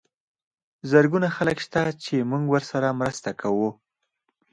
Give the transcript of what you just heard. زرګونه خلک شته چې موږ ورسره مرسته کوو.